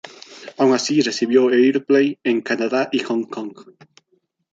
Aun así, recibió airplay en Canadá y Hong Kong.